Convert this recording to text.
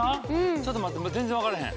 ちょっと待って全然分かれへん。